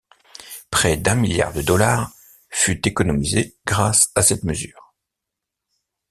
Près d'un milliard de dollars fut économisé grâce à cette mesure.